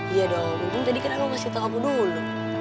iya dong mungkin tadi kan aku kasih tau kamu dulu